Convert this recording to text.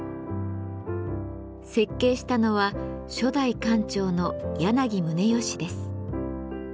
設計したのは初代館長の柳宗悦です。